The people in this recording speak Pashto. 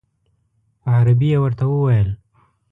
په عربي یې ورته وویل.